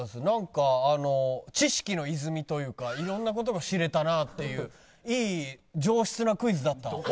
なんかあの知識の泉というか色んな事が知れたなっていういい上質なクイズだった。